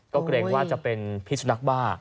ก็เกรงว่าจะเป็นพิสุนักบ้า